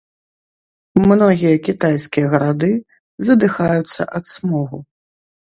Многія кітайскія гарады задыхаюцца ад смогу.